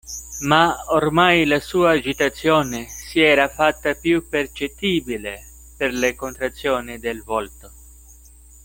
Ma ormai la sua agitazione si era fatta più percettibile per le contrazioni del volto.